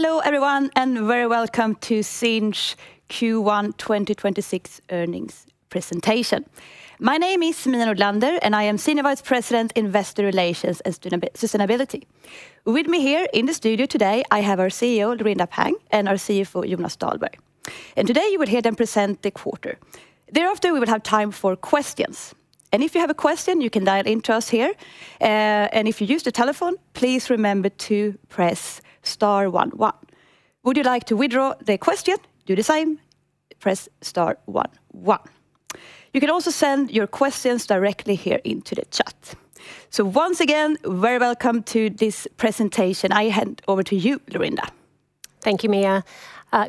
Hello, everyone, and very welcome to Sinch Q1 2026 earnings presentation. My name is Mia Nordlander, and I am Sinch Vice President, Investor Relations and Sustainability. With me here in the studio today, I have our CEO, Laurinda Pang, and our CFO, Jonas Dahlberg. Today you will hear them present the quarter. Thereafter, we will have time for questions, and if you have a question, you can dial into us here. If you use the telephone, please remember to press star one one. Would you like to withdraw the question? Do the same, press star one one. You can also send your questions directly here into the chat. Once again, very welcome to this presentation. I hand over to you, Laurinda. Thank you, Mia.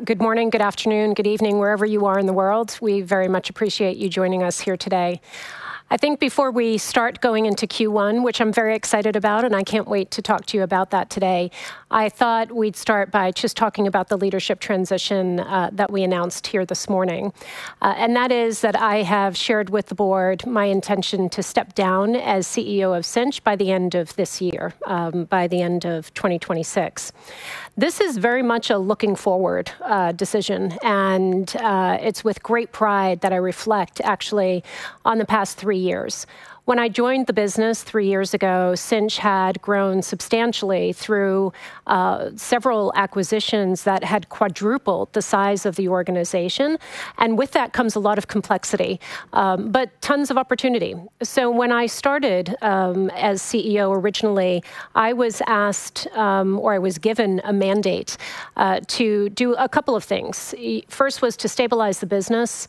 Good morning, good afternoon, good evening, wherever you are in the world. We very much appreciate you joining us here today. I think before we start going into Q1, which I'm very excited about, and I can't wait to talk to you about that today, I thought we'd start by just talking about the leadership transition that we announced here this morning. That is that I have shared with the board my intention to step down as CEO of Sinch by the end of this year, by the end of 2026. This is very much a looking forward decision, it's with great pride that I reflect actually on the past three years. When I joined the business three years ago, Sinch had grown substantially through several acquisitions that had quadrupled the size of the organization. With that comes a lot of complexity, but tons of opportunity. When I started as CEO originally, I was asked, or I was given a mandate to do a couple of things. First was to stabilize the business.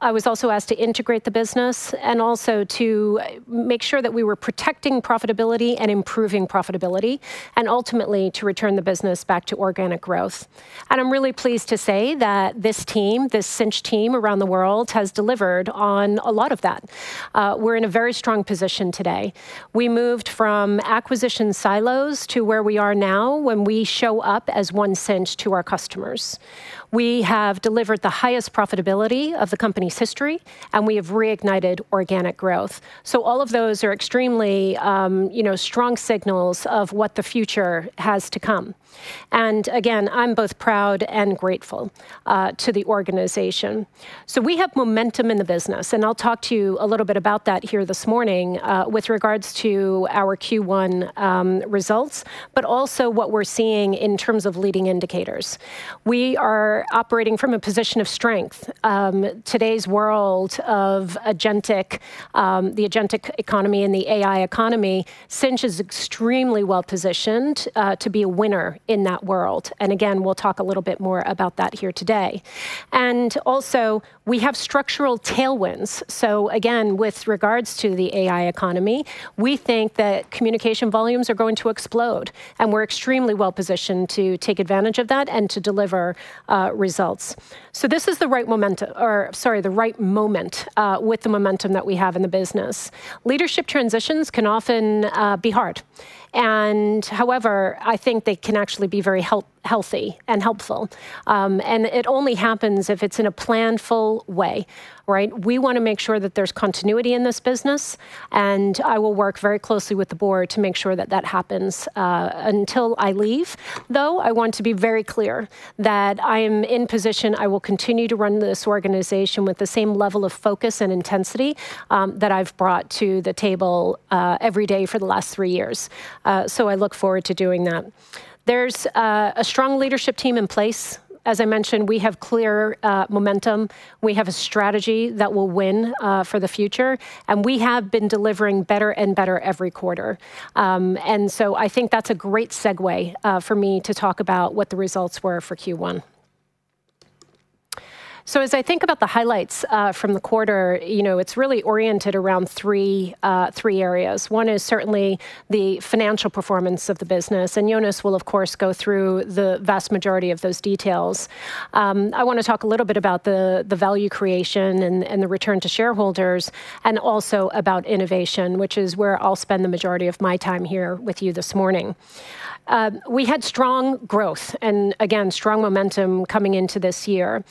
I was also asked to integrate the business and also to make sure that we were protecting profitability and improving profitability, and ultimately to return the business back to organic growth. I'm really pleased to say that this team, this Sinch team around the world, has delivered on a lot of that. We're in a very strong position today. We moved from acquisition silos to where we are now when we show up as One Sinch to our customers. We have delivered the highest profitability of the company's history, we have reignited organic growth. All of those are extremely, you know, strong signals of what the future has to come. Again, I'm both proud and grateful to the organization. We have momentum in the business, I'll talk to you a little bit about that here this morning with regards to our Q1 results, but also what we're seeing in terms of leading indicators. We are operating from a position of strength. Today's world of agentic, the agentic economy and the AI economy, Sinch is extremely well-positioned to be a winner in that world. Again, we'll talk a little bit more about that here today. Also, we have structural tailwinds. Again, with regards to the AI economy, we think that communication volumes are going to explode, and we're extremely well-positioned to take advantage of that and to deliver results. This is the right moment with the momentum that we have in the business. Leadership transitions can often be hard, however, I think they can actually be very healthy and helpful. It only happens if it's in a planful way, right? We wanna make sure that there's continuity in this business, I will work very closely with the board to make sure that that happens. Until I leave, though, I want to be very clear that I am in position. I will continue to run this organization with the same level of focus and intensity that I've brought to the table every day for the last three years. I look forward to doing that. There's a strong leadership team in place. As I mentioned, we have clear momentum. We have a strategy that will win for the future. We have been delivering better and better every quarter. I think that's a great segue for me to talk about what the results were for Q1. As I think about the highlights from the quarter, you know, it's really oriented around three areas. One is certainly the financial performance of the business. Jonas will of course go through the vast majority of those details. I want to talk a little bit about the value creation and the return to shareholders, and also about innovation, which is where I'll spend the majority of my time here with you this morning. We had strong growth and, again, strong momentum coming into this year.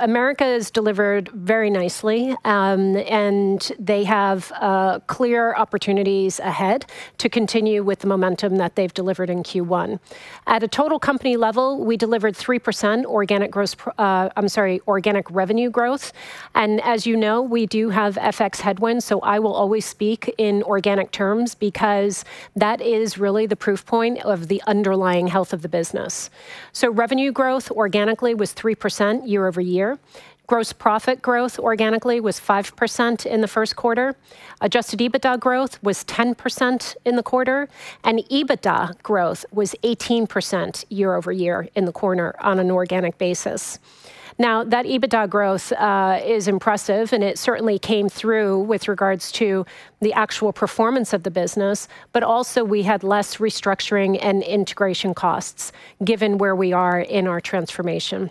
America has delivered very nicely, and they have clear opportunities ahead to continue with the momentum that they've delivered in Q1. At a total company level, we delivered 3% I'm sorry, organic revenue growth. As you know, we do have FX headwinds, I will always speak in organic terms because that is really the proof point of the underlying health of the business. Revenue growth organically was 3% year-over-year. Gross profit growth organically was 5% in the first quarter. Adjusted EBITDA growth was 10% in the quarter, and EBITDA growth was 18% year-over-year in the quarter on an organic basis. Now, that EBITDA growth is impressive, and it certainly came through with regards to the actual performance of the business, but also we had less restructuring and integration costs given where we are in our transformation.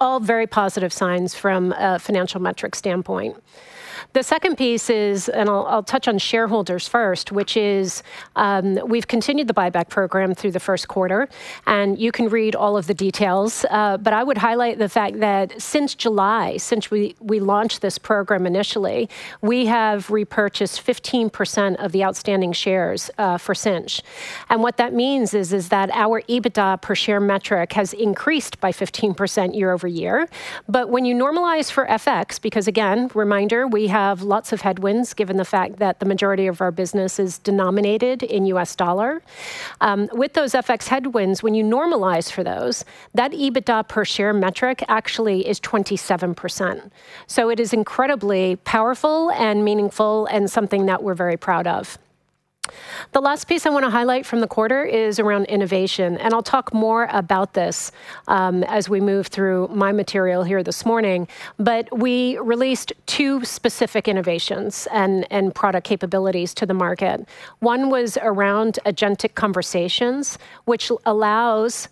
All very positive signs from a financial metric standpoint. The second piece is, and I'll touch on shareholders first, which is, we've continued the buyback program through the first quarter, and you can read all of the details. I would highlight the fact that since July, since we launched this program initially, we have repurchased 15% of the outstanding shares for Sinch. What that means is that our EBITDA per share metric has increased by 15% year-over-year. When you normalize for FX, because again, reminder, we have lots of headwinds given the fact that the majority of our business is denominated in US dollar. With those FX headwinds, when you normalize for those, that EBITDA per share metric actually is 27%. It is incredibly powerful and meaningful and something that we're very proud of. The last piece I wanna highlight from the quarter is around innovation, and I'll talk more about this as we move through my material here this morning. We released two specific innovations and product capabilities to the market. One was around agentic conversations, which allows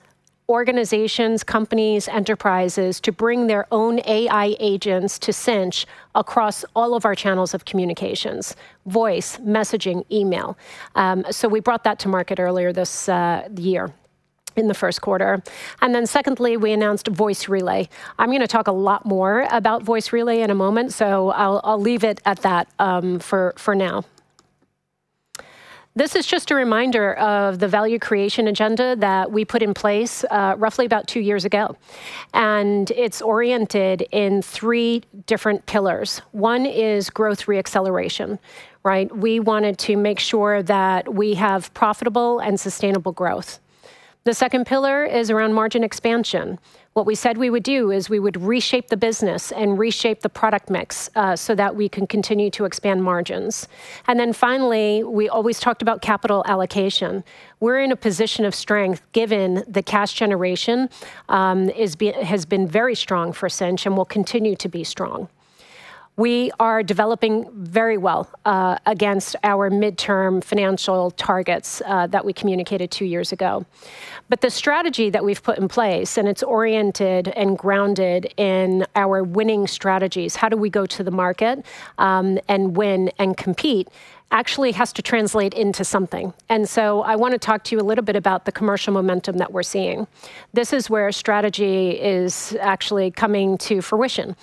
organizations, companies, enterprises to bring their own AI agents to Sinch across all of our channels of communications: voice, messaging, email. We brought that to market earlier this year in the 1st quarter. Secondly, we announced Voice Relay. I'm gonna talk a lot more about Voice Relay in a moment, so I'll leave it at that for now. This is just a reminder of the value creation agenda that we put in place roughly about two years ago, and it's oriented in three different pillars. One is growth re-acceleration, right? We wanted to make sure that we have profitable and sustainable growth. The second pillar is around margin expansion. What we said we would do is we would reshape the business and reshape the product mix so that we can continue to expand margins. Finally, we always talked about capital allocation. We're in a position of strength given the cash generation has been very strong for Sinch and will continue to be strong. We are developing very well against our midterm financial targets that we communicated two years ago. The strategy that we've put in place, and it's oriented and grounded in our winning strategies, how do we go to the market, and win and compete, actually has to translate into something. I want to talk to you a little bit about the commercial momentum that we're seeing. This is where strategy is actually coming to fruition.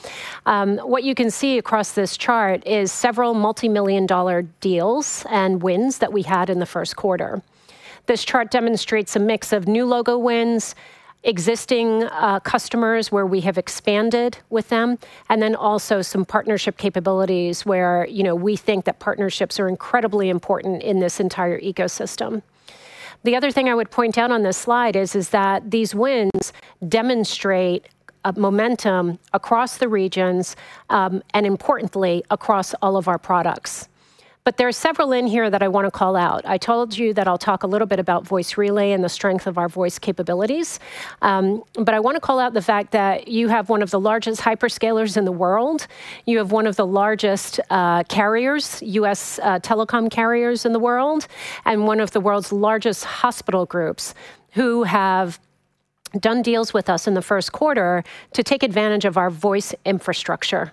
What you can see across this chart is several multi-million-dollar deals and wins that we had in the first quarter. This chart demonstrates a mix of new logo wins, existing customers where we have expanded with them, and then also some partnership capabilities where, you know, we think that partnerships are incredibly important in this entire ecosystem. The other thing I would point out on this slide is that these wins demonstrate a momentum across the regions, and importantly, across all of our products. There are several in here that I wanna call out. I told you that I'll talk a little bit about Voice Relay and the strength of our voice capabilities. I wanna call out the fact that you have one of the largest hyperscalers in the world, you have one of the largest U.S. telecom carriers in the world, and one of the world's largest hospital groups who have done deals with us in the first quarter to take advantage of our voice infrastructure,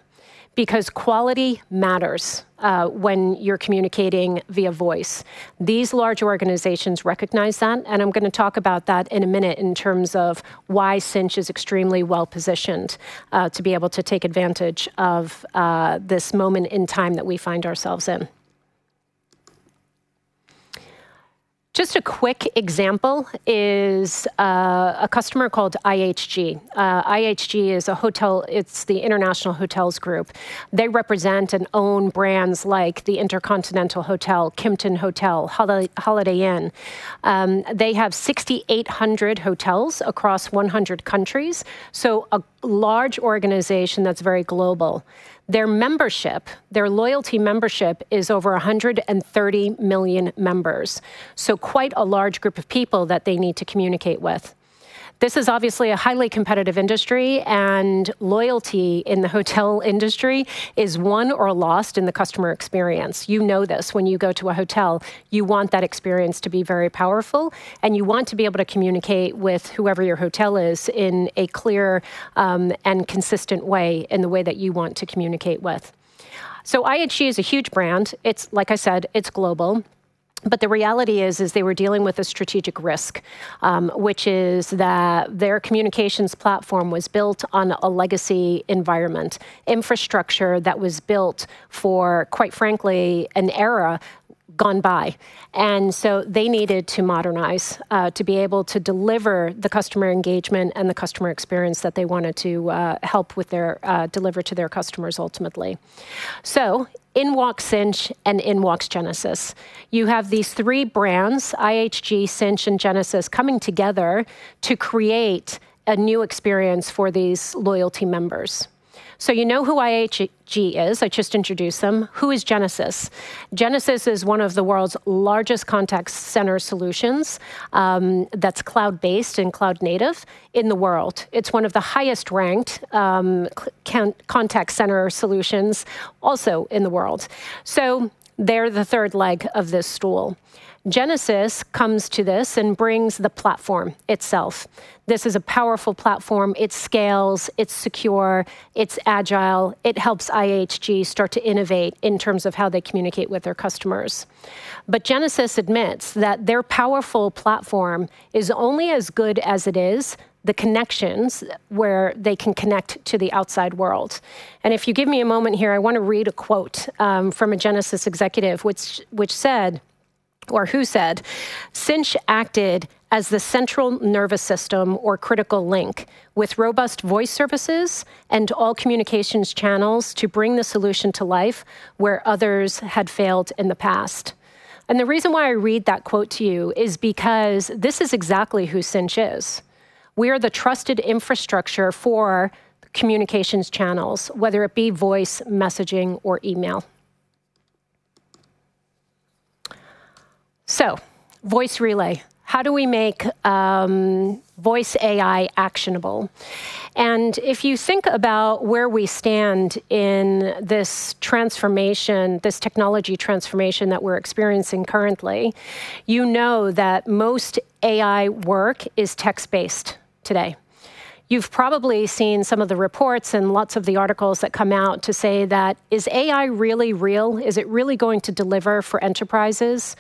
because quality matters when you're communicating via voice. These large organizations recognize that, and I'm gonna talk about that in a minute in terms of why Sinch is extremely well-positioned to be able to take advantage of this moment in time that we find ourselves in. Just a quick example is a customer called IHG. IHG is a hotel It's the InterContinental Hotels Group. They represent and own brands like the InterContinental Hotel, Kimpton Hotel, Holiday Inn. They have 6,800 hotels across 100 countries, so a large organization that's very global. Their membership, their loyalty membership, is over 130 million members, so quite a large group of people that they need to communicate with. This is obviously a highly competitive industry, and loyalty in the hotel industry is won or lost in the customer experience. You know this. When you go to a hotel, you want that experience to be very powerful, and you want to be able to communicate with whoever your hotel is in a clear and consistent way, in the way that you want to communicate with. IHG is a huge brand. It's, like I said, it's global. The reality is they were dealing with a strategic risk, which is that their communications platform was built on a legacy environment, infrastructure that was built for, quite frankly, an era gone by. They needed to modernize to be able to deliver the customer engagement and the customer experience that they wanted to help with their deliver to their customers ultimately. In walks Sinch, and in walks Genesys. You have these three brands, IHG, Sinch, and Genesys, coming together to create a new experience for these loyalty members. You know who IHG is. I just introduced them. Who is Genesys? Genesys is one of the world's largest contact center solutions, that's cloud-based and cloud-native in the world. It's one of the highest ranked, contact center solutions also in the world. They're the third leg of this stool. Genesys comes to this and brings the platform itself. This is a powerful platform. It scales. It's secure. It's agile. It helps IHG start to innovate in terms of how they communicate with their customers. Genesys admits that their powerful platform is only as good as it is the connections where they can connect to the outside world. If you give me a moment here, I wanna read a quote from a Genesys executive, who said Sinch acted as the central nervous system or critical link with robust voice services and all communications channels to bring the solution to life where others had failed in the past. The reason why I read that quote to you is because this is exactly who Sinch is. We are the trusted infrastructure for communications channels, whether it be voice, messaging, or email. Voice Relay, how do we make voice AI actionable? If you think about where we stand in this transformation, this technology transformation that we're experiencing currently, you know that most AI work is text-based today. You've probably seen some of the reports and lots of the articles that come out to say that is AI really real? Is it really going to deliver for enterprises?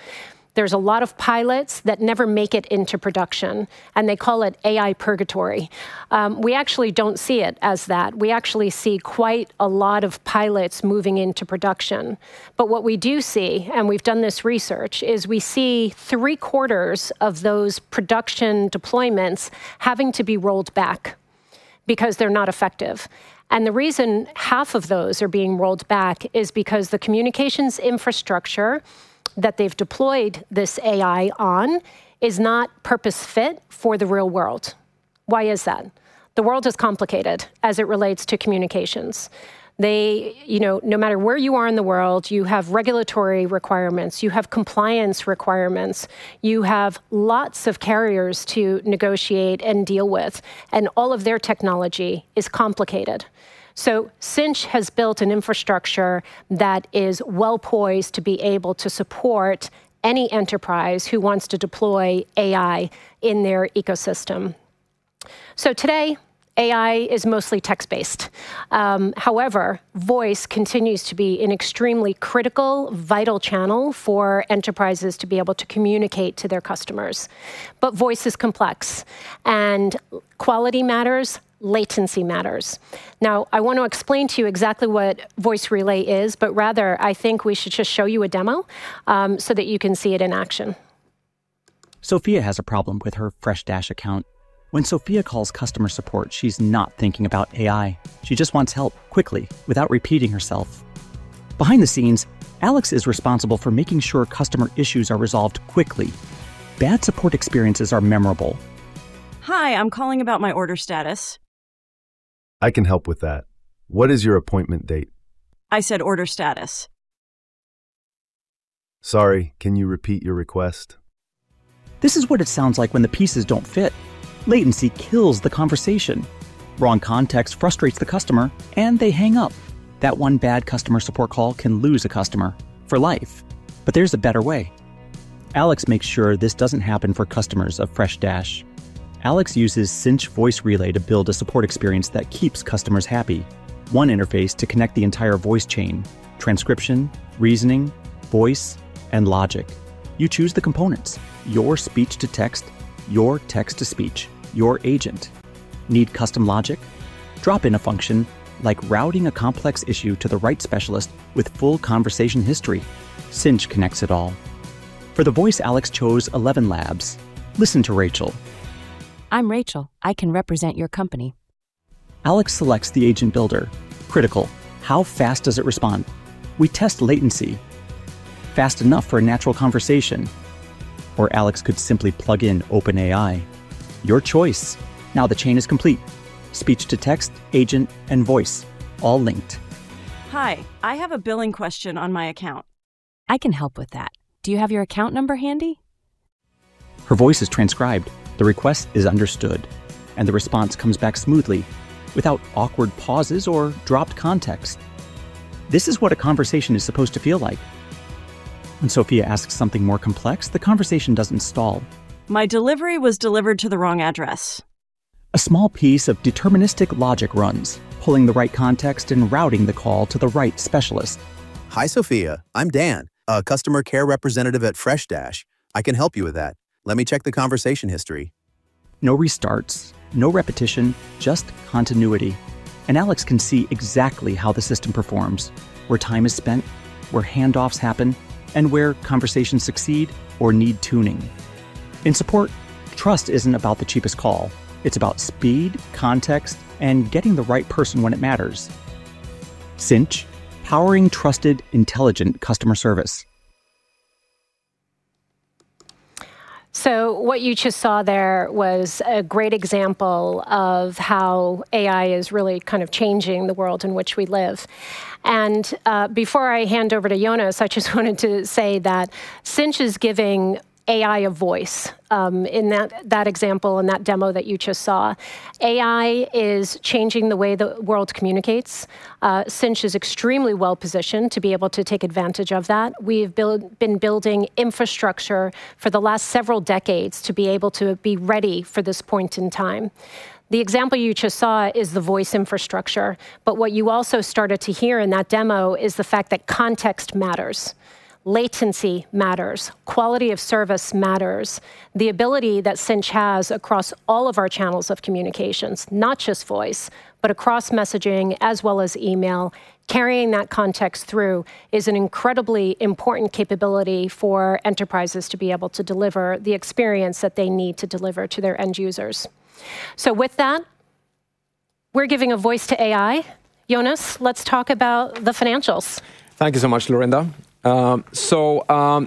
There's a lot of pilots that never make it into production, and they call it AI purgatory. We actually don't see it as that. We actually see quite a lot of pilots moving into production. What we do see, and we've done this research, is we see three-quarters of those production deployments having to be rolled back because they're not effective. The reason half of those are being rolled back is because the communications infrastructure that they've deployed this AI on is not purpose-fit for the real world. Why is that? The world is complicated as it relates to communications. You know, no matter where you are in the world, you have regulatory requirements, you have compliance requirements, you have lots of carriers to negotiate and deal with, and all of their technology is complicated. Sinch has built an infrastructure that is well-poised to be able to support any enterprise who wants to deploy AI in their ecosystem. Today, AI is mostly text-based. However, voice continues to be an extremely critical, vital channel for enterprises to be able to communicate to their customers. Voice is complex and quality matters, latency matters. Now, I want to explain to you exactly what Voice Relay is, but rather I think we should just show you a demo so that you can see it in action. Sophia has a problem with her Freshdesk account. When Sophia calls customer support, she's not thinking about AI. She just wants help quickly without repeating herself. Behind the scenes, Alex is responsible for making sure customer issues are resolved quickly. Bad support experiences are memorable. Hi, I'm calling about my order status. I can help with that. What is your appointment date? I said order status. Sorry, can you repeat your request? This is what it sounds like when the pieces don't fit. Latency kills the conversation. Wrong context frustrates the customer, they hang up. That one bad customer support call can lose a customer for life. There's a better way. Alex makes sure this doesn't happen for customers of Freshdesk. Alex uses Sinch Voice Relay to build a support experience that keeps customers happy. One interface to connect the entire voice chain: transcription, reasoning, voice, and logic. You choose the components. Your speech-to-text, your text-to-speech, your agent. Need custom logic? Drop in a function like routing a complex issue to the right specialist with full conversation history. Sinch connects it all. For the voice, Alex chose ElevenLabs. Listen to Rachel. I'm Rachel. I can represent your company. Alex selects the agent builder. Critical. How fast does it respond? We test latency. Fast enough for a natural conversation. Alex could simply plug in OpenAI. Your choice. Now the chain is complete. Speech-to-text, agent, and voice all linked. Hi, I have a billing question on my account. I can help with that. Do you have your account number handy? Her voice is transcribed, the request is understood, and the response comes back smoothly without awkward pauses or dropped context. This is what a conversation is supposed to feel like. When Sophia asks something more complex, the conversation doesn't stall. My delivery was delivered to the wrong address. A small piece of deterministic logic runs, pulling the right context and routing the call to the right specialist. Hi, Sophia. I'm Dan, a customer care representative at Freshdesk. I can help you with that. Let me check the conversation history. No restarts, no repetition, just continuity. Alex can see exactly how the system performs, where time is spent, where handoffs happen, and where conversations succeed or need tuning. In support, trust isn't about the cheapest call. It's about speed, context, and getting the right person when it matters. Sinch, powering trusted, intelligent customer service. What you just saw there was a great example of how AI is really kind of changing the world in which we live. Before I hand over to Jonas, I just wanted to say that Sinch is giving AI a voice in that example, in that demo that you just saw. AI is changing the way the world communicates. Sinch is extremely well-positioned to be able to take advantage of that. We've been building infrastructure for the last several decades to be able to be ready for this point in time. The example you just saw is the voice infrastructure. What you also started to hear in that demo is the fact that context matters. Latency matters. Quality of service matters. The ability that Sinch has across all of our channels of communications, not just voice, but across messaging as well as email, carrying that context through is an incredibly important capability for enterprises to be able to deliver the experience that they need to deliver to their end users. With that. We're giving a voice to AI. Jonas, let's talk about the financials. Thank you so much, Laurinda.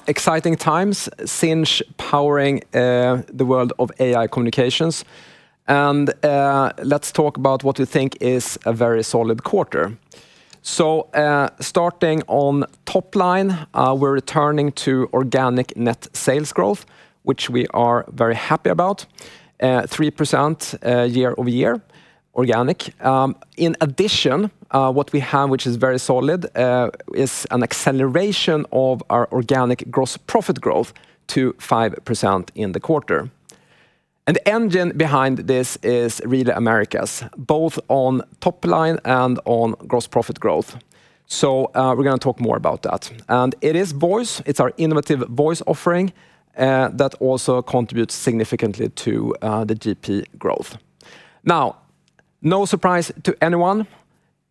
Exciting times. Sinch powering the world of AI communications. Let's talk about what we think is a very solid quarter. Starting on top line, we're returning to organic net sales growth, which we are very happy about, 3% year-over-year organic. In addition, what we have, which is very solid, is an acceleration of our organic gross profit growth to 5% in the quarter. The engine behind this is really Americas, both on top line and on gross profit growth. We're gonna talk more about that. It is voice, it's our innovative voice offering that also contributes significantly to the GP growth. No surprise to anyone,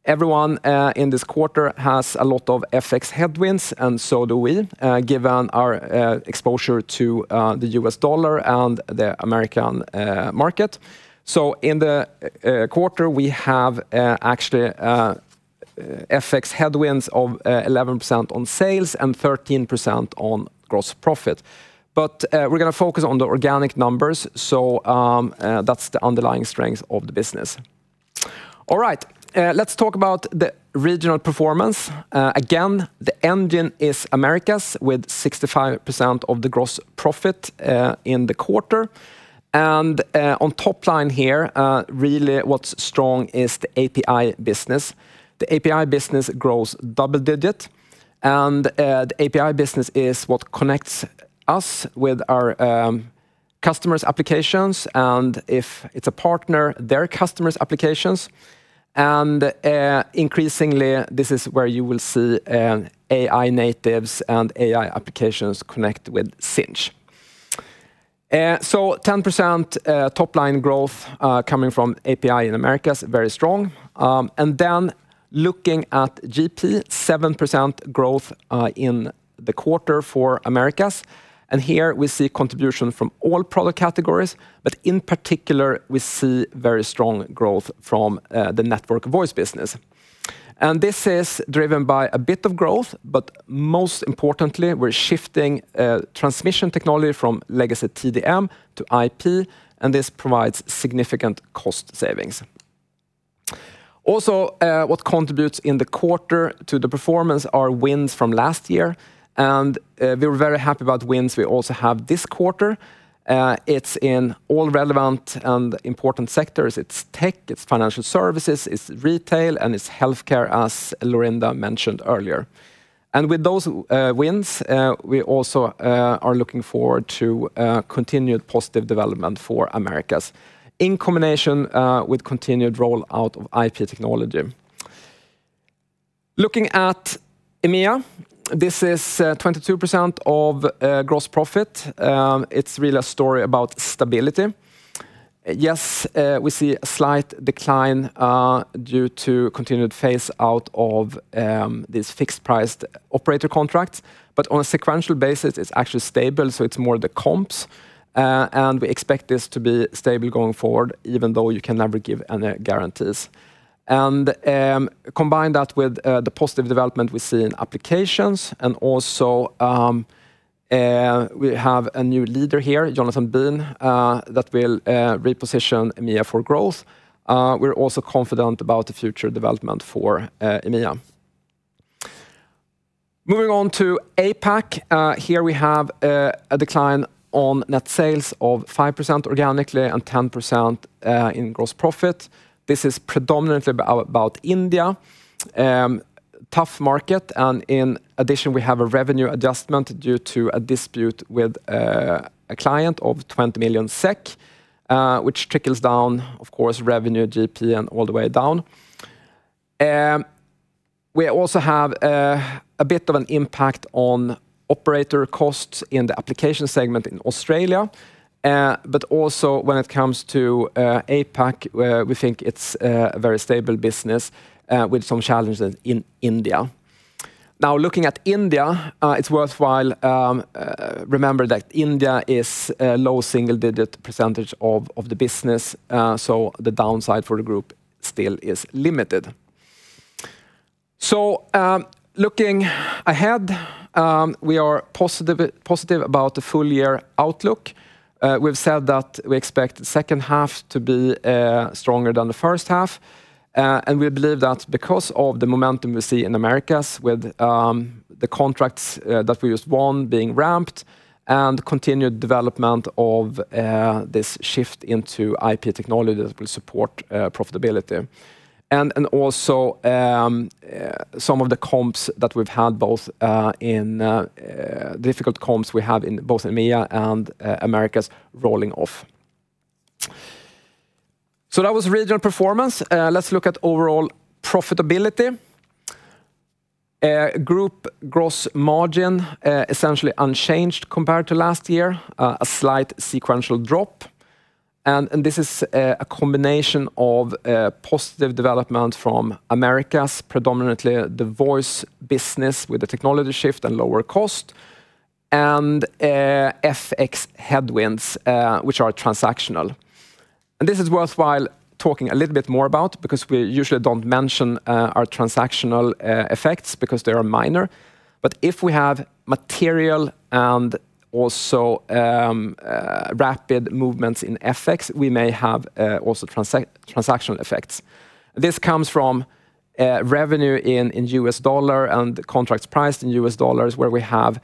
everyone in this quarter has a lot of FX headwinds, and so do we, given our exposure to the US dollar and the American market. In the quarter, we have actually FX headwinds of 11% on sales and 13% on gross profit. We're gonna focus on the organic numbers, that's the underlying strength of the business. All right, let's talk about the regional performance. Again, the engine is Americas with 65% of the gross profit in the quarter. On top line here, really what's strong is the API business. The API business grows double digit. The API business is what connects us with our customers' applications, and if it's a partner, their customers' applications. Increasingly, this is where you will see AI natives and AI applications connect with Sinch. 10% top line growth coming from API in Americas, very strong. Looking at GP, 7% growth in the quarter for Americas, and here we see contribution from all product categories, but in particular, we see very strong growth from the network voice business. This is driven by a bit of growth, but most importantly, we're shifting transmission technology from legacy TDM to IP, and this provides significant cost savings. Also, what contributes in the quarter to the performance are wins from last year. We're very happy about wins we also have this quarter. It's in all relevant and important sectors. It's tech, it's financial services, it's retail, and it's healthcare, as Laurinda mentioned earlier. With those wins, we also are looking forward to continued positive development for Americas in combination with continued rollout of IP technology. Looking at EMEA, this is 22% of gross profit. It's really a story about stability. Yes, we see a slight decline due to continued phase out of these fixed priced operator contracts, but on a sequential basis, it's actually stable, so it's more the comps. We expect this to be stable going forward, even though you can never give any guarantees. Combine that with the positive development we see in applications, and also, we have a new leader here, Jonathan Bean, that will reposition EMEA for growth. We're also confident about the future development for EMEA. Moving on to APAC. Here we have a decline on net sales of 5% organically and 10% in gross profit. This is predominantly about India. Tough market, in addition, we have a revenue adjustment due to a dispute with a client of 20 million SEK, which trickles down, of course, revenue, GP, and all the way down. We also have a bit of an impact on operator costs in the application segment in Australia. Also when it comes to APAC, we think it's a very stable business with some challenges in India. Looking at India, it's worthwhile remember that India is a low single-digit percentage of the business, the downside for the group still is limited. Looking ahead, we are positive about the full year outlook. We've said that we expect the second half to be stronger than the first half. We believe that because of the momentum we see in Americas with the contracts that we just won being ramped and continued development of this shift into IP technology that will support profitability and also some of the comps that we've had both in difficult comps we have in both EMEA and Americas rolling off. That was regional performance. Let's look at overall profitability. Group gross margin, essentially unchanged compared to last year, a slight sequential drop. This is a combination of positive development from Americas, predominantly the voice business with the technology shift and lower cost and FX headwinds, which are transactional. This is worthwhile talking a little bit more about because we usually don't mention our transactional effects because they are minor. If we have material and also rapid movements in FX, we may have also transactional effects. This comes from revenue in US dollar and contracts priced in US dollar where we have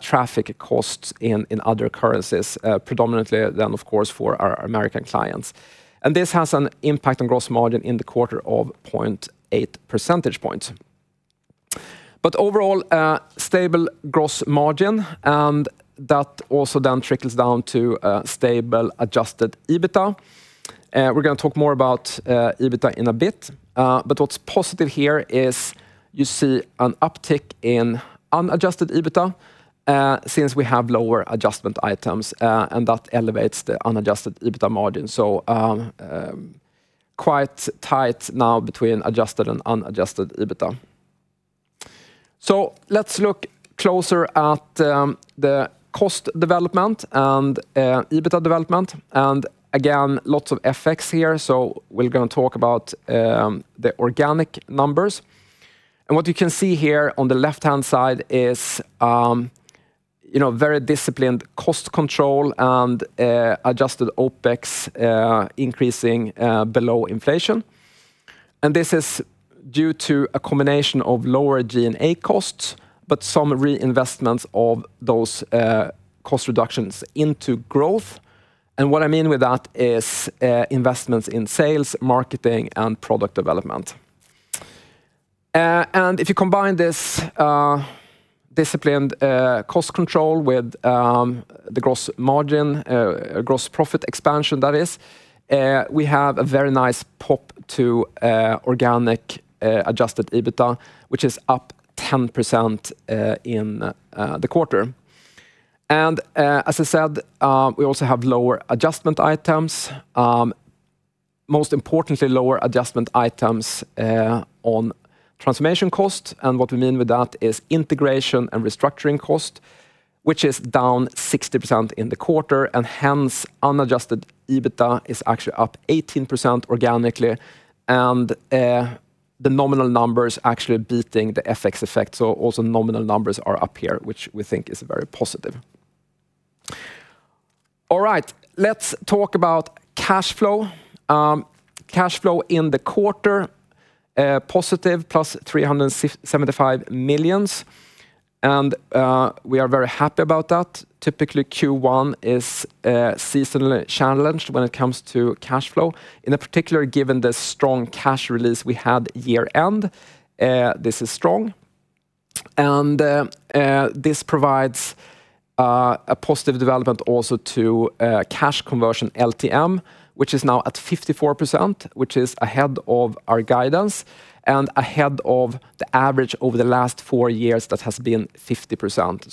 traffic costs in other currencies, predominantly then of course for our American clients. This has an impact on gross margin in the quarter of 0.8 percentage points. Overall, a stable gross margin, and that also then trickles down to stable adjusted EBITDA. We're going to talk more about EBITDA in a bit. What's positive here is you see an uptick in unadjusted EBITDA since we have lower adjustment items, and that elevates the unadjusted EBITDA margin. Quite tight now between adjusted and unadjusted EBITDA. Let's look closer at the cost development and EBITDA development. Lots of FX here, we're gonna talk about the organic numbers. What you can see here on the left-hand side is, you know, very disciplined cost control and adjusted OpEx increasing below inflation. This is due to a combination of lower G&A costs, but some reinvestments of those cost reductions into growth. What I mean with that is investments in sales, marketing, and product development. If you combine this disciplined cost control with the gross margin, gross profit expansion that is, we have a very nice pop to organic adjusted EBITDA, which is up 10% in the quarter. As I said, we also have lower adjustment items. Most importantly, lower adjustment items on transformation cost. What we mean with that is integration and restructuring cost, which is down 60% in the quarter, and hence unadjusted EBITDA is actually up 18% organically. The nominal numbers actually beating the FX effect. Also nominal numbers are up here, which we think is very positive. All right, let's talk about cash flow. Cash flow in the quarter, positive plus 375 million. We are very happy about that. Typically, Q1 is seasonally challenged when it comes to cash flow. In particular, given the strong cash release we had year-end, this is strong. This provides a positive development also to cash conversion LTM, which is now at 54%, which is ahead of our guidance and ahead of the average over the last four years that has been 50%.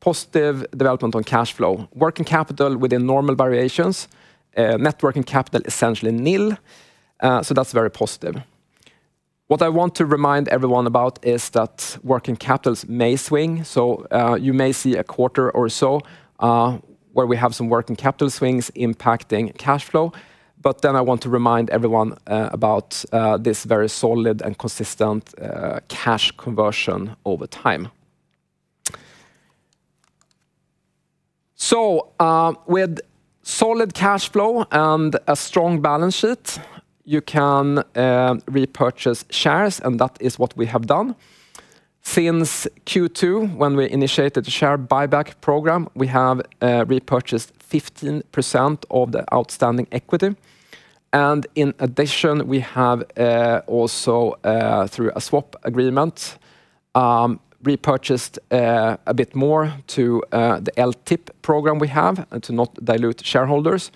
Positive development on cash flow. Working capital within normal variations. Net working capital, essentially nil, that's very positive. What I want to remind everyone about is that working capitals may swing, you may see a quarter or so, where we have some working capital swings impacting cash flow. I want to remind everyone about this very solid and consistent cash conversion over time. With solid cash flow and a strong balance sheet, you can repurchase shares, that is what we have done. Since Q2, when we initiated the share buyback program, we have repurchased 15% of the outstanding equity. In addition, we have also through a swap agreement repurchased a bit more to the LTIP program we have and to not dilute shareholders.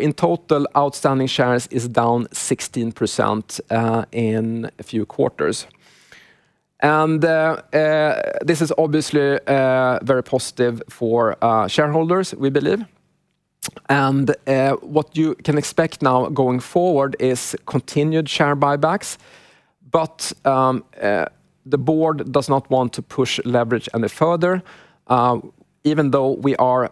In total, outstanding shares is down 16% in a few quarters. This is obviously very positive for shareholders, we believe. What you can expect now going forward is continued share buybacks. The board does not want to push leverage any further, even though we are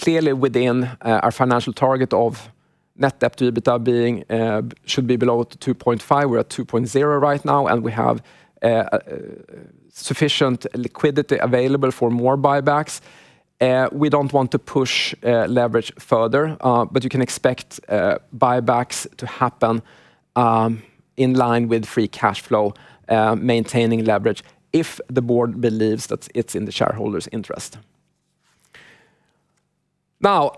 clearly within our financial target of net debt to EBITDA being should be below 2.5. We're at 2.0 right now, and we have sufficient liquidity available for more buybacks. We don't want to push leverage further, but you can expect buybacks to happen in line with free cash flow, maintaining leverage if the board believes that it's in the shareholders' interest. Now,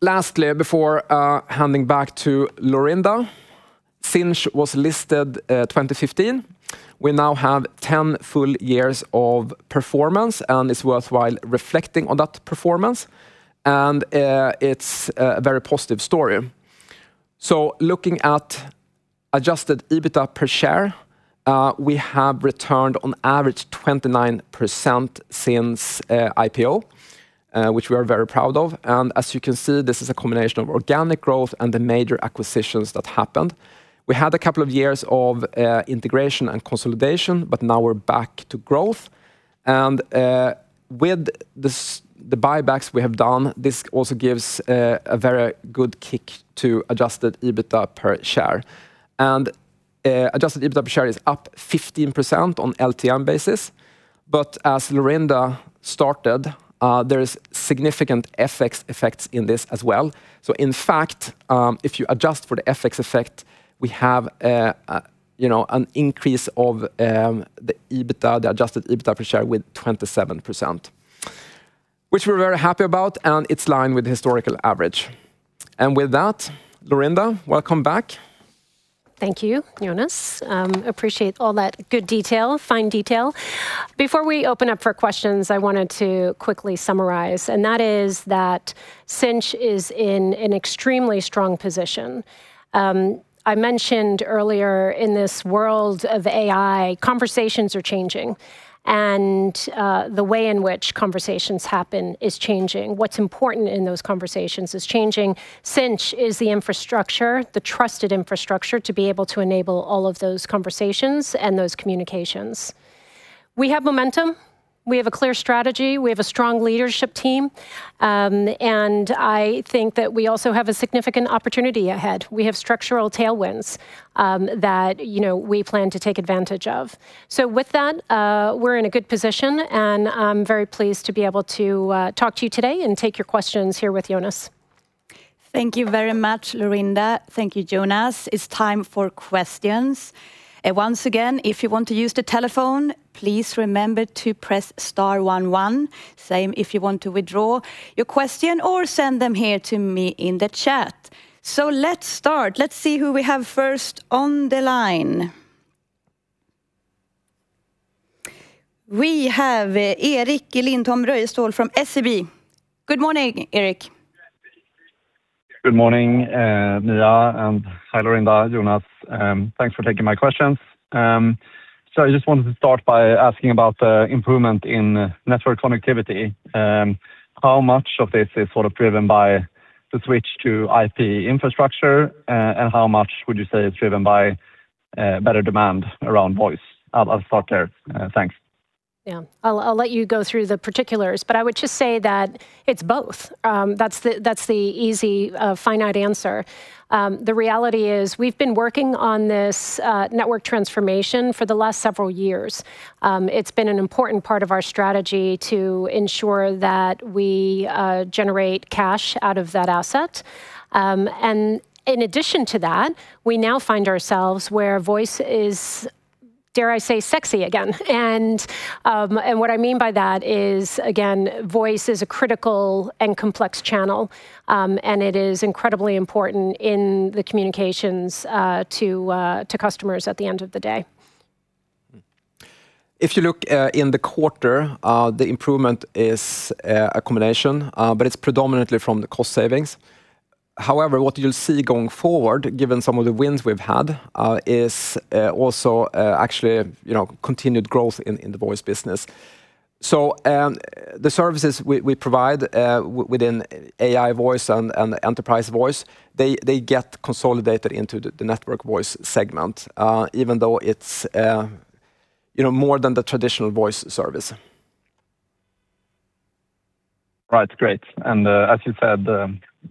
lastly, before handing back to Laurinda, Sinch was listed 2015, we now have 10 full years of performance, and it's worthwhile reflecting on that performance. It's a very positive story. Looking at adjusted EBITDA per share, we have returned on average 29% since IPO, which we are very proud of. As you can see, this is a combination of organic growth and the major acquisitions that happened. We had a couple of years of integration and consolidation, but now we're back to growth. With the buybacks we have done, this also gives a very good kick to adjusted EBITDA per share. Adjusted EBITDA per share is up 15% on LTM basis. As Laurinda started, there is significant FX effects in this as well. In fact, if you adjust for the FX effect, we have, you know, an increase of the EBITDA, the adjusted EBITDA per share with 27%, which we're very happy about, and it's line with historical average. With that, Laurinda, welcome back. Thank you, Jonas. Appreciate all that good detail, fine detail. Before we open up for questions, I wanted to quickly summarize, and that is that Sinch is in an extremely strong position. I mentioned earlier in this world of AI, conversations are changing, the way in which conversations happen is changing. What's important in those conversations is changing. Sinch is the infrastructure, the trusted infrastructure to be able to enable all of those conversations and those communications. We have momentum. We have a clear strategy. We have a strong leadership team. I think that we also have a significant opportunity ahead. We have structural tailwinds, that, you know, we plan to take advantage of. With that, we're in a good position, I'm very pleased to be able to talk to you today and take your questions here with Jonas. Thank you very much, Laurinda. Thank you, Jonas. It's time for questions. Once again, if you want to use the telephone, please remember to press star 11. Same if you want to withdraw your question or send them here to me in the chat. Let's start. Let's see who we have first on the line. We have Erik Röjestål from SEB. Good morning, Erik. Good morning, Mia, and hi, Laurinda, Jonas. Thanks for taking my questions. I just wanted to start by asking about the improvement in network connectivity. How much of this is sort of driven by the switch to IP infrastructure, and how much would you say is driven by better demand around voice? I'll start there. Thanks. Yeah. I'll let you go through the particulars, but I would just say that it's both. That's the easy finite answer. The reality is we've been working on this network transformation for the last several years. It's been an important part of our strategy to ensure that we generate cash out of that asset. In addition to that, we now find ourselves where voice is, dare I say, sexy again. What I mean by that is, again, voice is a critical and complex channel, and it is incredibly important in the communications to customers at the end of the day. If you look in the quarter, the improvement is a combination, but it's predominantly from the cost savings. However, what you'll see going forward, given some of the wins we've had, is also actually, you know, continued growth in the voice business. The services we provide within AI voice and enterprise voice, they get consolidated into the network voice segment, even though it's, you know, more than the traditional voice service. Right. Great. As you said,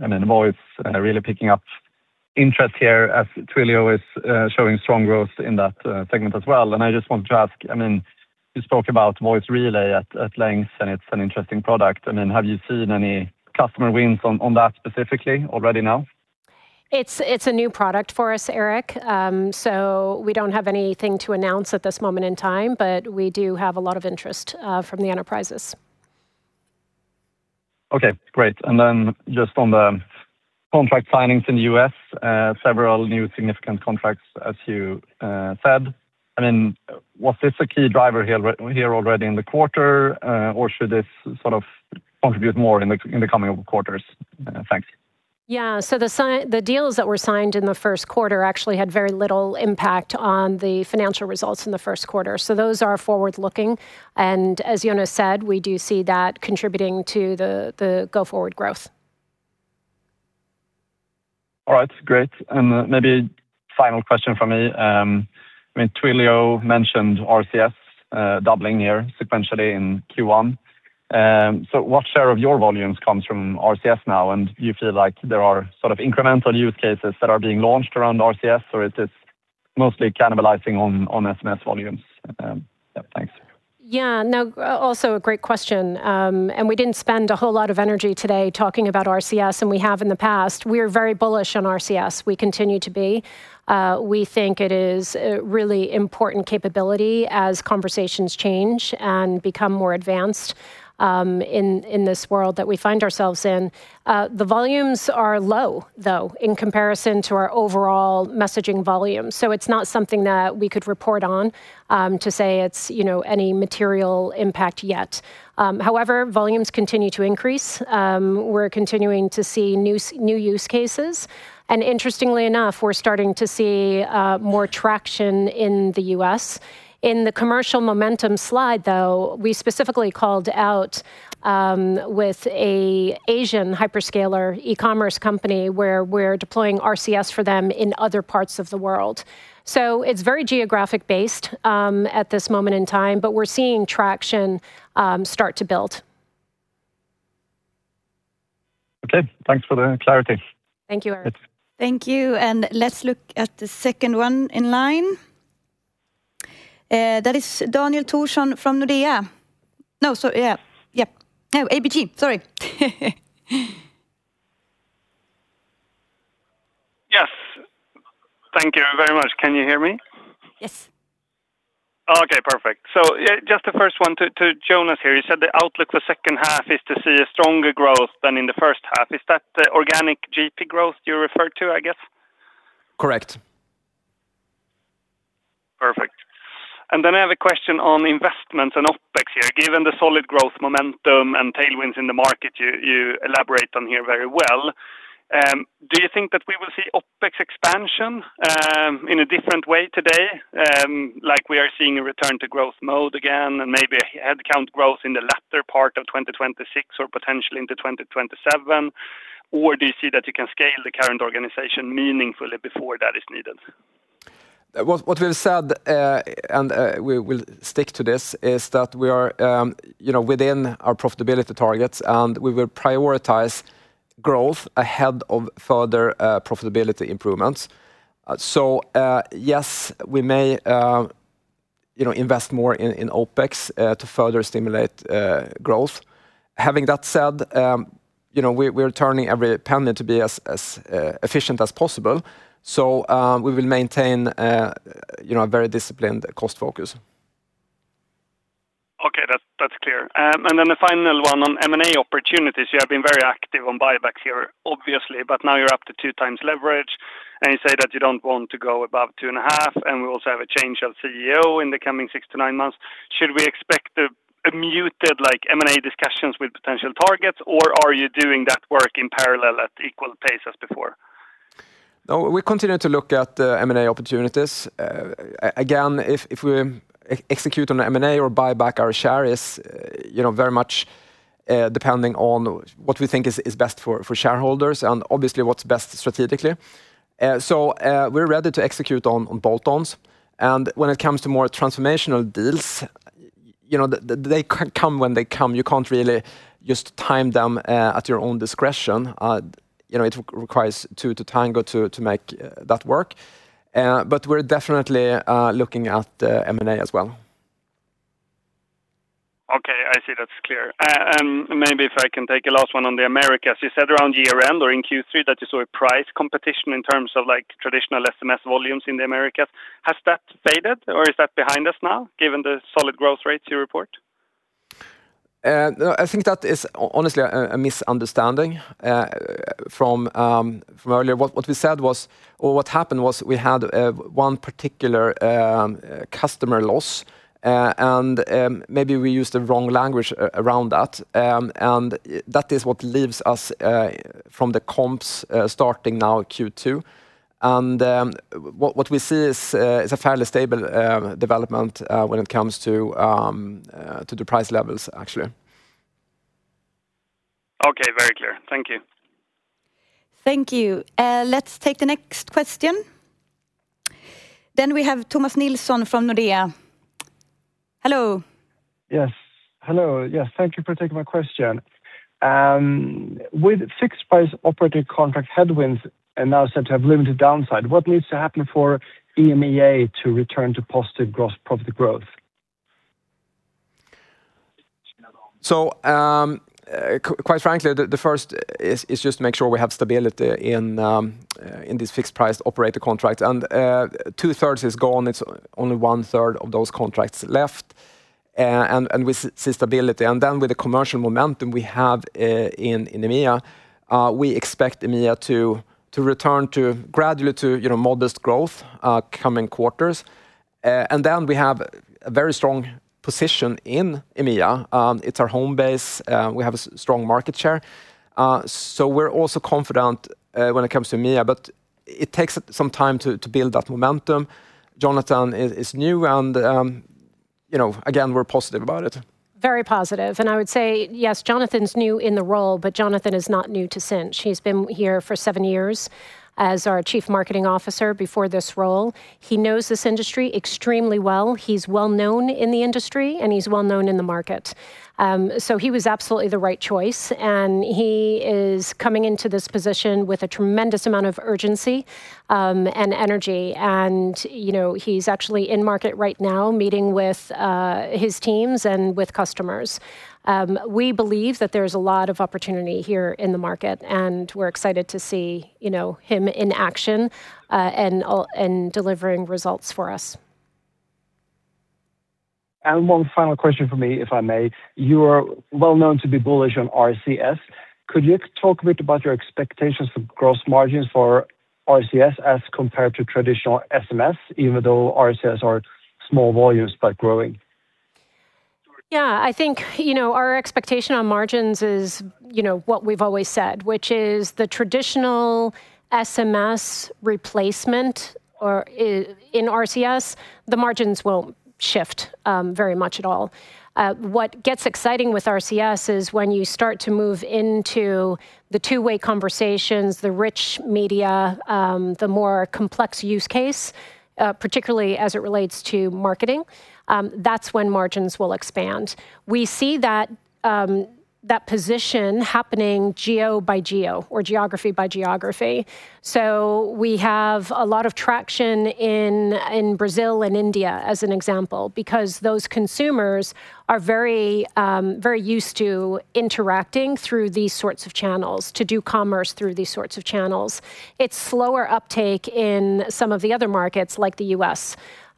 I mean, voice really picking up interest here as Twilio is showing strong growth in that segment as well. I just wanted to ask, I mean, you spoke about Voice Relay at length, and it's an interesting product. I mean, have you seen any customer wins on that specifically already now? It's a new product for us, Erik. We don't have anything to announce at this moment in time, but we do have a lot of interest from the enterprises. Okay. Great. Just on the contract signings in the U.S., several new significant contracts as you said, I mean, was this a key driver here already in the quarter, or should this sort of contribute more in the coming quarters? Thanks. Yeah. The deals that were signed in the first quarter actually had very little impact on the financial results in the first quarter. Those are forward-looking. As Jonas said, we do see that contributing to the go-forward growth. All right. Great. Maybe final question from me. I mean, Twilio mentioned RCS doubling here sequentially in Q1. What share of your volumes comes from RCS now? Do you feel like there are sort of incremental use cases that are being launched around RCS, or it is mostly cannibalizing on SMS volumes? Yeah, thanks. No, also a great question. We didn't spend a whole lot of energy today talking about RCS, and we have in the past. We are very bullish on RCS. We continue to be. We think it is a really important capability as conversations change and become more advanced in this world that we find ourselves in. The volumes are low, though, in comparison to our overall messaging volume, so it's not something that we could report on to say it's, you know, any material impact yet. However, volumes continue to increase. We're continuing to see new use cases. Interestingly enough, we're starting to see more traction in the U.S. In the commercial momentum slide, though, we specifically called out, with an Asian hyperscaler e-commerce company where we're deploying RCS for them in other parts of the world. It's very geographic based, at this moment in time, but we're seeing traction, start to build. Okay. Thanks for the clarity. Thank you, Erik. Thank you, and let's look at the second one in line. That is Daniel Thorsson from Nordea. No, so yeah. Yep. No, ABG. Sorry. Yes. Thank you very much. Can you hear me? Yes. Okay, perfect. Just the first one to Jonas here. You said the outlook for second half is to see a stronger growth than in the first half. Is that the organic GP growth you referred to, I guess? Correct. Perfect. I have a question on investments and OpEx here. Given the solid growth momentum and tailwinds in the market you elaborate on here very well, do you think that we will see OpEx expansion in a different way today? Like we are seeing a return to growth mode again and maybe a headcount growth in the latter part of 2026 or potentially into 2027, or do you see that you can scale the current organization meaningfully before that is needed? What we've said, and we will stick to this, is that we are, you know, within our profitability targets, and we will prioritize growth ahead of further profitability improvements. Yes, we may, you know, invest more in OpEx to further stimulate growth. Having that said, you know, we're turning every penny to be as efficient as possible. We will maintain, you know, a very disciplined cost focus. Okay. That's, that's clear. The final one on M&A opportunities. You have been very active on buybacks here, obviously, but now you're up to 2x leverage, and you say that you don't want to go above 2.5x, and we also have a change of CEO in the coming six to nine months. Should we expect a muted, like, M&A discussions with potential targets, or are you doing that work in parallel at equal pace as before? No, we continue to look at M&A opportunities. Again, if we execute on M&A or buy back our share is, you know, very much depending on what we think is best for shareholders and obviously what's best strategically. We're ready to execute on bolt-ons, and when it comes to more transformational deals, you know, they come when they come. You can't really just time them at your own discretion. You know, it requires two to tango to make that work. We're definitely looking at M&A as well. Okay. I see. That's clear. Maybe if I can take a last one on the Americas. You said around year-end or in Q3 that you saw a price competition in terms of, like, traditional SMS volumes in the Americas. Has that faded, or is that behind us now given the solid growth rates you report? No, I think that is honestly a misunderstanding from earlier. What we said was or what happened was we had 1 particular customer loss, and maybe we used the wrong language around that. That is what leaves us from the comps starting now Q2. What we see is a fairly stable development when it comes to the price levels actually. Okay. Very clear. Thank you. Thank you. let's take the next question. We have Thomas Nilsson from Nordea. Hello. Yes. Hello. Yes, thank you for taking my question. With fixed price operator contract headwinds are now said to have limited downside, what needs to happen for EMEA to return to positive gross profit growth? Quite frankly, the first is just to make sure we have stability in these fixed price operator contracts. 2/3 is gone. It's only 1/3 of those contracts left. We see stability. With the commercial momentum we have in EMEA, we expect EMEA to return gradually to, you know, modest growth coming quarters. We have a very strong position in EMEA. It's our home base. We have a strong market share. We're also confident when it comes to EMEA, but it takes some time to build that momentum. Jonathan is new and, you know, again, we're positive about it. Very positive. I would say, yes, Jonathan's new in the role, but Jonathan is not new to Sinch. He's been here for seven years as our Chief Marketing Officer before this role. He knows this industry extremely well. He's well-known in the industry, and he's well-known in the market. He was absolutely the right choice, and he is coming into this position with a tremendous amount of urgency and energy. You know, he's actually in market right now meeting with his teams and with customers. We believe that there's a lot of opportunity here in the market, and we're excited to see, you know, him in action and delivering results for us. One final question from me, if I may. You are well known to be bullish on RCS. Could you talk a bit about your expectations for gross margins for RCS as compared to traditional SMS, even though RCS are small volumes but growing? Yeah. I think, you know, our expectation on margins is, you know, what we've always said, which is the traditional SMS replacement or in RCS, the margins won't shift very much at all. What gets exciting with RCS is when you start to move into the two-way conversations, the rich media, the more complex use case, particularly as it relates to marketing, that's when margins will expand. We see that position happening geo-by-geo or geography-by-geography. We have a lot of traction in Brazil and India as an example, because those consumers are very, very used to interacting through these sorts of channels, to do commerce through these sorts of channels. It's slower uptake in some of the other markets like the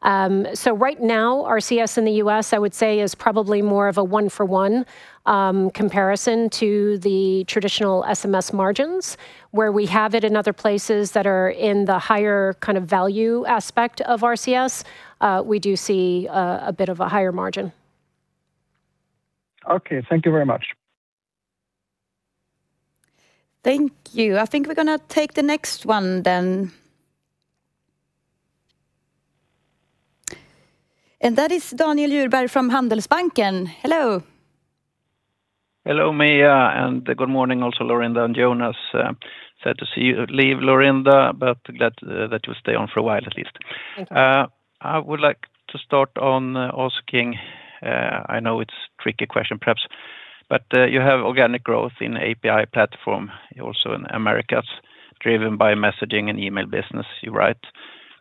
U.S. Right now RCS in the U.S. I would say is probably more of a one-for-one comparison to the traditional SMS margins. Where we have it in other places that are in the higher kind of value aspect of RCS, we do see a bit of a higher margin. Okay. Thank you very much. Thank you. I think we're gonna take the next one then. That is Daniel Djurberg from Handelsbanken. Hello. Hello, Mia, and good morning also Laurinda and Jonas. Sad to see you leave, Laurinda, but glad that you'll stay on for a while at least. Thank you. I would like to start on asking, I know it's tricky question perhaps, you have organic growth in API platform also in Americas driven by messaging and email business, you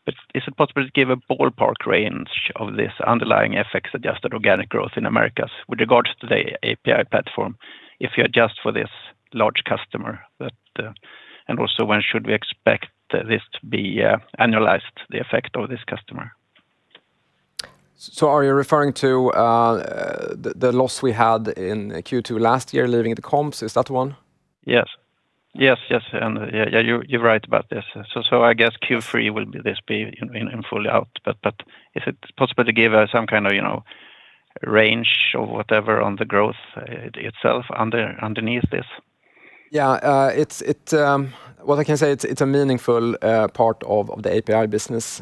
write. Is it possible to give a ballpark range of this underlying FX-adjusted organic growth in Americas with regards to the API platform if you adjust for this large customer that? Also when should we expect this to be annualized, the effect of this customer? Are you referring to the loss we had in Q2 last year leaving the comps? Is that the one? Yes. Yes, and, yeah, you're right about this. I guess Q3 will be this be, you know, in fully out, is it possible to give some kind of, you know, range or whatever on the growth itself underneath this? Yeah. Well, I can say it's a meaningful part of the API business.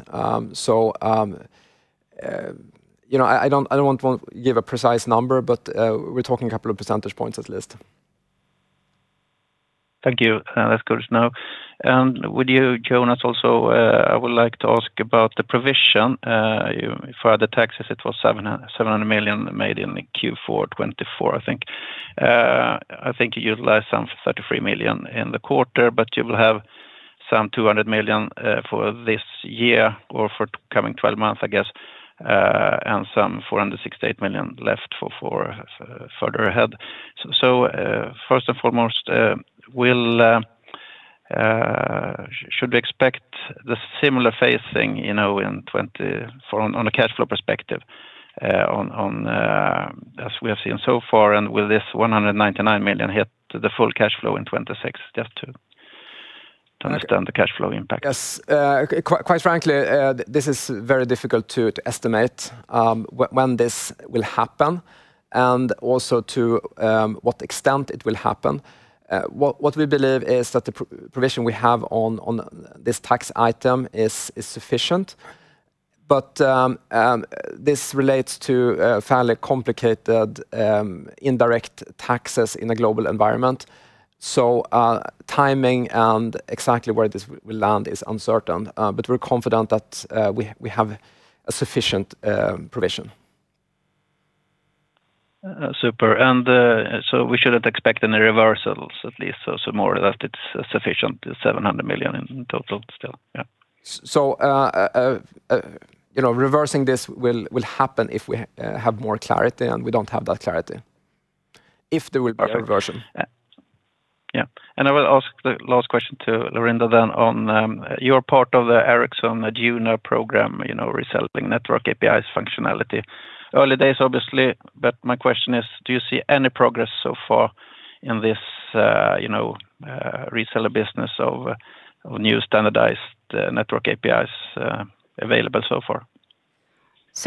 You know, I don't want to give a precise number, but we're talking a couple of percentage points at least. Thank you. That's good to know. Would you, Jonas, also, I would like to ask about the provision for the taxes it was 700 million made in the Q4 2024, I think. I think you utilized some 33 million in the quarter, but you will have some 200 million for this year or for coming 12 month, I guess. And some 468 million left for further ahead. First and foremost, should we expect the similar phasing, you know, in 2024 on a cashflow perspective, as we have seen so far, and will this 199 million hit the full cashflow in 2026 just to understand the cashflow impact? Yes. Quite frankly, this is very difficult to estimate when this will happen and also to what extent it will happen. What we believe is that the provision we have on this tax item is sufficient, but this relates to fairly complicated indirect taxes in a global environment. Timing and exactly where this will land is uncertain. We're confident that we have a sufficient provision. Super. We shouldn't expect any reversals at least, so more or less it's sufficient, the 700 million in total still. You know, reversing this will happen if we have more clarity, and we don't have that clarity if there will be a reversion. Perfect. Yeah. Yeah. I will ask the last question to Laurinda then on your part of the Ericsson Aduna program, you know, reselling network APIs functionality. Early days obviously, but my question is, do you see any progress so far in this, you know, reseller business of new standardized network APIs available so far?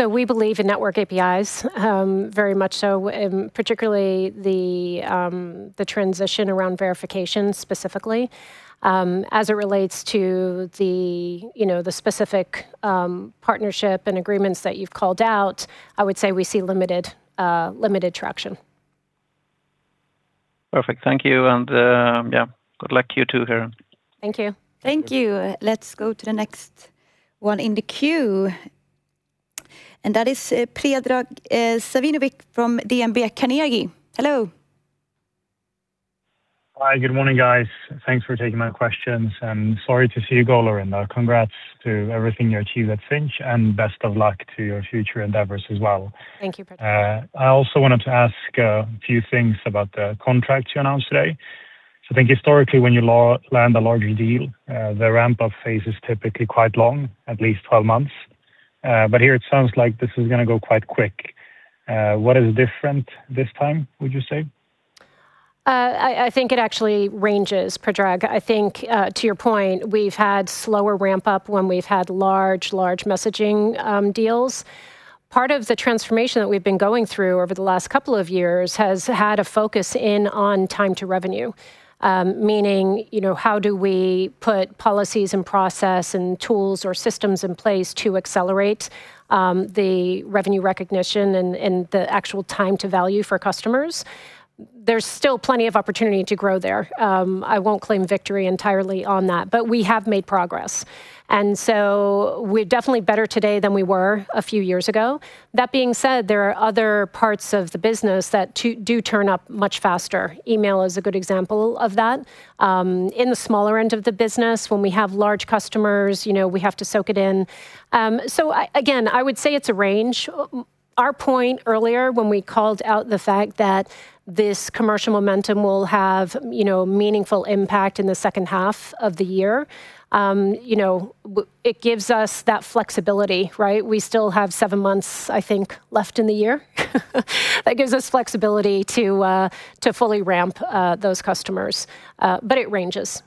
We believe in network APIs, very much so, particularly the transition around verification specifically. As it relates to the, you know, the specific, partnership and agreements that you've called out, I would say we see limited traction. Perfect. Thank you and, yeah, good luck to you too here. Thank you. Thank you. Let's go to the next one in the queue. That is Predrag Savinovic from DNB Carnegie. Hello. Hi. Good morning, guys. Thanks for taking my questions, and sorry to see you go, Laurinda. Congrats to everything you achieve at Sinch, and best of luck to your future endeavors as well. Thank you, Predrag. I also wanted to ask a few things about the contract you announced today. I think historically when you land a larger deal, the ramp-up phase is typically quite long, at least 12 months. Here it sounds like this is gonna go quite quick. What is different this time, would you say? I think it actually ranges, Predrag. I think, to your point, we've had slower ramp-up when we've had large messaging deals. Part of the transformation that we've been going through over the last couple of years has had a focus in on time to revenue, meaning, you know, how do we put policies and process and tools or systems in place to accelerate the revenue recognition and the actual time to value for customers. There's still plenty of opportunity to grow there. I won't claim victory entirely on that, but we have made progress. We're definitely better today than we were a few years ago. That being said, there are other parts of the business that do turn up much faster. Email is a good example of that. In the smaller end of the business, when we have large customers, you know, we have to soak it in. Again, I would say it's a range. Our point earlier when we called out the fact that this commercial momentum will have, you know, meaningful impact in the second half of the year, you know, it gives us that flexibility, right? We still have seven months, I think, left in the year that gives us flexibility to fully ramp those customers. It ranges.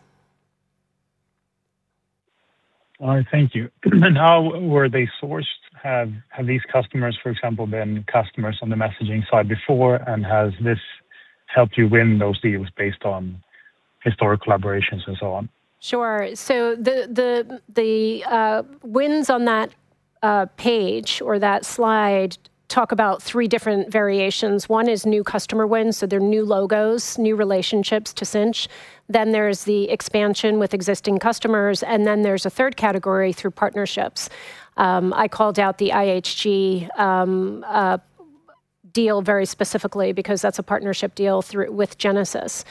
All right, thank you. How were they sourced? Have these customers, for example, been customers on the messaging side before, and has this helped you win those deals based on historic collaborations and so on? Sure. The wins on that page or that slide talk about three different variations. 1 is new customer wins, they're new logos, new relationships to Sinch. There's the expansion with existing customers, there's a third category through partnerships. I called out the IHG deal very specifically because that's a partnership deal with Genesys.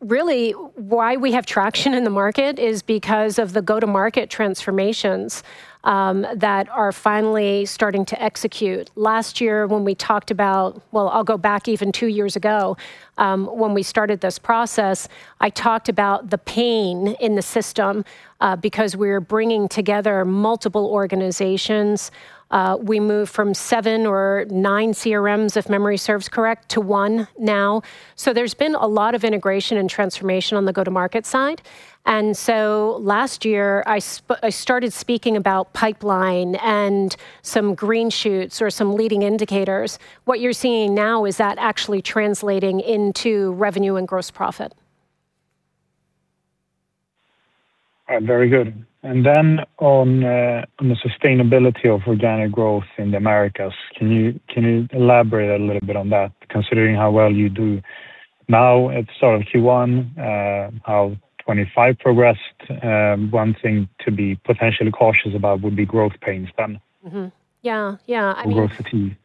Really why we have traction in the market is because of the go-to-market transformations that are finally starting to execute. Last year when we talked about I'll go back even two years ago, when we started this process, I talked about the pain in the system because we're bringing together multiple organizations. We moved from seven or nine CRMs, if memory serves correct, to one now. There's been a lot of integration and transformation on the go-to-market side. Last year I started speaking about pipeline and some green shoots or some leading indicators. What you're seeing now is that actually translating into revenue and gross profit. Very good. On the sustainability of organic growth in the Americas, can you elaborate a little bit on that considering how well you do now at start of Q1, how 2025 progressed? One thing to be potentially cautious about would be growth pains then. Mm-hmm. Yeah. Yeah. Growth fatigue.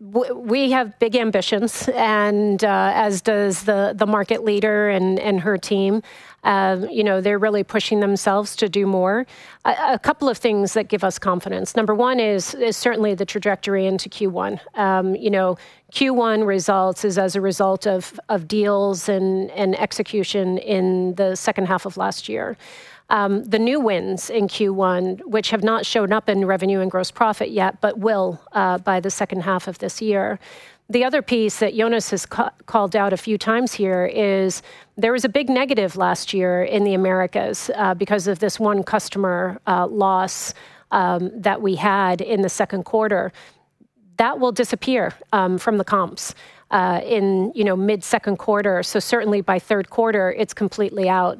We have big ambitions and, as does the market leader and her team. You know, they're really pushing themselves to do more. A couple of things that give us confidence. Number one is certainly the trajectory into Q1. You know, Q1 results is as a result of deals and execution in the second half of last year. The new wins in Q1, which have not shown up in revenue and gross profit yet, but will by the second half of this year. The other piece that Jonas has called out a few times here is there was a big negative last year in the Americas because of this one customer loss that we had in the second quarter. That will disappear from the comps in, you know, mid-second quarter. Certainly by third quarter it's completely out.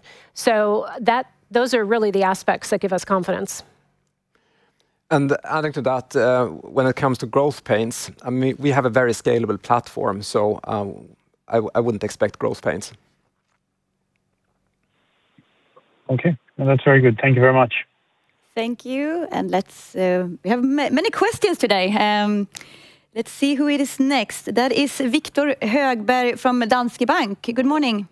Those are really the aspects that give us confidence. Adding to that, when it comes to growth pains, I mean, we have a very scalable platform, so I wouldn't expect growth pains. Okay. No, that's very good. Thank you very much. Thank you. Let's We have many questions today. Let's see who it is next. That is Viktor Högberg from Danske Bank. Good morning.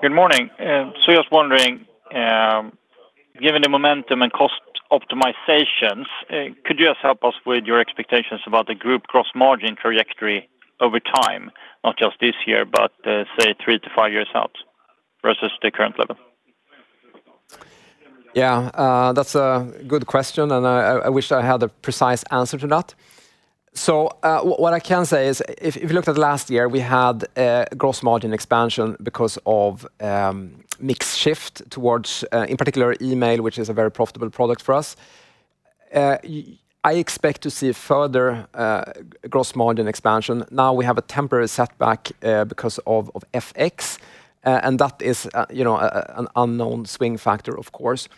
Good morning. I was wondering, given the momentum and cost optimizations, could you just help us with your expectations about the group gross margin trajectory over time, not just this year, but, say three to five years out versus the current level? That's a good question, and I wish I had a precise answer to that. What I can say is if you looked at last year, we had a gross margin expansion because of mix shift towards in particular email, which is a very profitable product for us. I expect to see further gross margin expansion. Now we have a temporary setback because of FX, and that is, you know, an unknown swing factor, of course.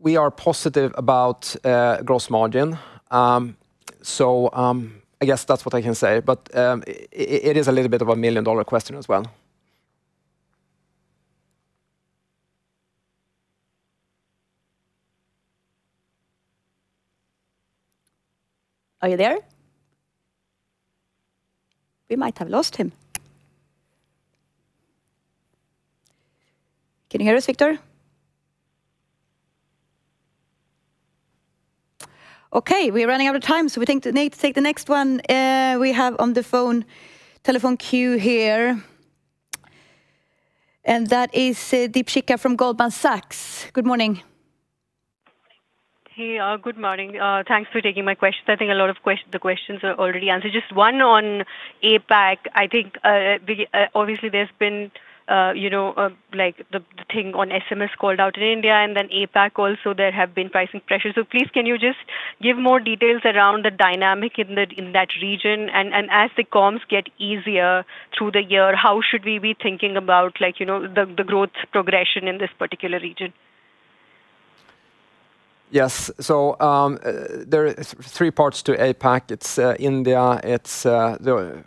We are positive about gross margin. I guess that's what I can say. It is a little bit of a million-dollar question as well. Are you there? We might have lost him. Can you hear us, Viktor? Okay, we're running out of time. We think we need to take the next one we have on the phone, telephone queue here. That is Deepshikha from Goldman Sachs. Good morning. Hey, good morning. Thanks for taking my questions. I think a lot of questions are already answered. Just one on APAC. I think, we, obviously there's been, you know, like the thing on SMS called out in India and then APAC also there have been pricing pressures. Please, can you just give more details around the dynamic in that region? As the comms get easier through the year, how should we be thinking about like, you know, the growth progression in this particular region? Yes. There is three parts to APAC. It's India, it's the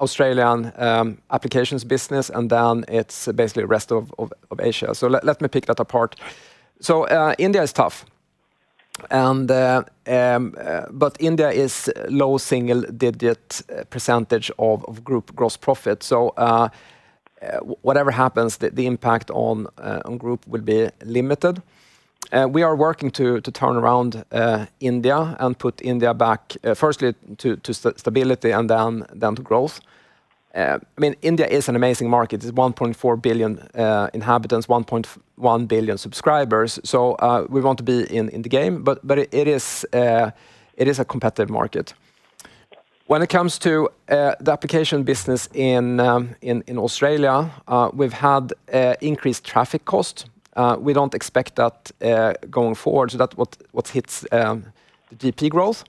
Australian applications business, and then it's basically rest of Asia. Let me pick that apart. India is tough. India is low single-digit percentage of group gross profit. Whatever happens, the impact on group will be limited. We are working to turn around India and put India back, firstly to stability and then to growth. I mean, India is an amazing market. It's 1.4 billion inhabitants, 1.1 billion subscribers. We want to be in the game. It is a competitive market. When it comes to the application business in Australia, we've had increased traffic cost. We don't expect that going forward, so that hits the GP growth.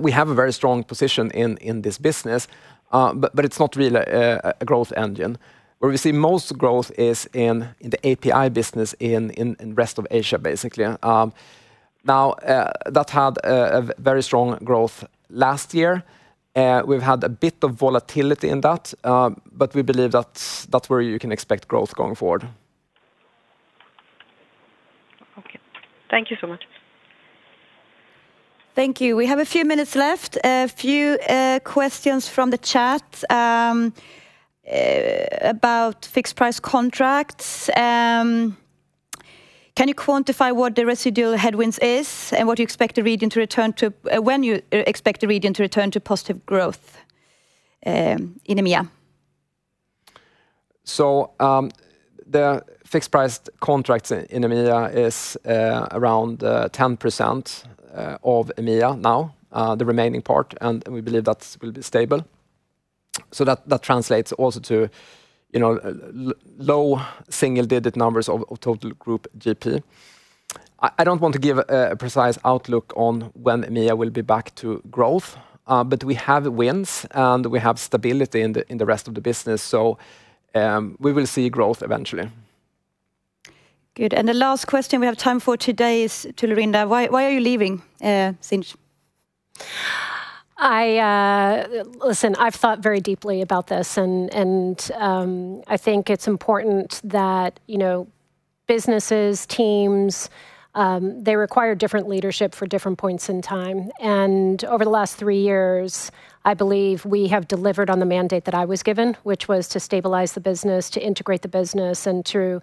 We have a very strong position in this business, but it's not really a growth engine. Where we see most growth is in the API business in rest of Asia, basically. Now, that had a very strong growth last year. We've had a bit of volatility in that, but we believe that's where you can expect growth going forward. Okay. Thank you so much. Thank you. We have a few minutes left. A few questions from the chat about fixed price contracts. Can you quantify what the residual headwinds are, and what you expect the region to return to when you expect the region to return to positive growth in EMEA? The fixed price contracts in EMEA is around 10% of EMEA now, the remaining part, and we believe that will be stable. That translates also to, you know, low single-digit numbers of total group GP. I don't want to give a precise outlook on when EMEA will be back to growth, but we have wins, and we have stability in the rest of the business, we will see growth eventually. Good. The last question we have time for today is to Laurinda. Why are you leaving Sinch? Listen, I've thought very deeply about this and I think it's important that, you know, businesses, teams, they require different leadership for different points in time. Over the last three years, I believe we have delivered on the mandate that I was given, which was to stabilize the business, to integrate the business, and to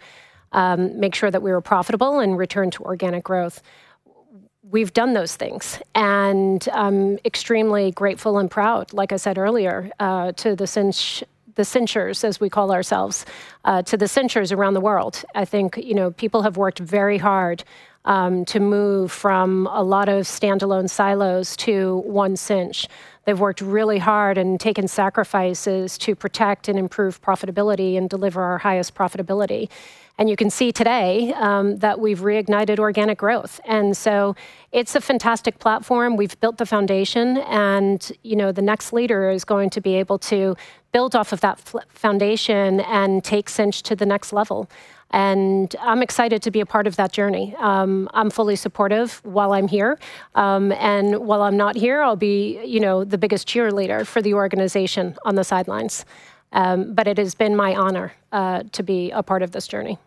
make sure that we were profitable and return to organic growth. We've done those things, and I'm extremely grateful and proud, like I said earlier, to the Sinch, the Sinchers, as we call ourselves. To the Sinchers around the world. I think, you know, people have worked very hard to move from a lot of standalone silos to One Sinch. They've worked really hard and taken sacrifices to protect and improve profitability and deliver our highest profitability. You can see today that we've reignited organic growth. It's a fantastic platform. We've built the foundation and, you know, the next leader is going to be able to build off of that foundation and take Sinch to the next level, and I'm excited to be a part of that journey. I'm fully supportive while I'm here. While I'm not here, I'll be, you know, the biggest cheerleader for the organization on the sidelines. It has been my honor to be a part of this journey.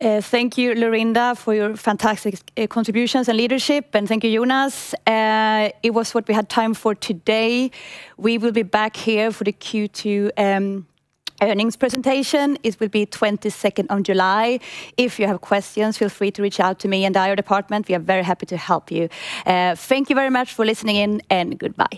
Thank you, Laurinda, for your fantastic contributions and leadership, and thank you, Jonas. It was what we had time for today. We will be back here for the Q2 earnings presentation. It will be 22nd on July. If you have questions, feel free to reach out to me and IR department. We are very happy to help you. Thank you very much for listening in, and goodbye.